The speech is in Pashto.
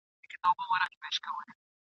د غوايي په څېر مي غټي پښې لرلای !.